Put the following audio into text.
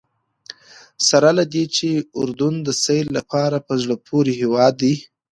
سره له دې چې اردن د سیل لپاره په زړه پورې هېواد دی.